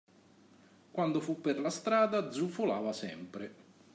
Quando fu per la strada, zufolava sempre;